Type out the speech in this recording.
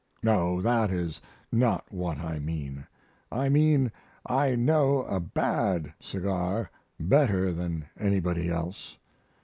No, that is not what I mean; I mean I know a bad cigar better than anybody else.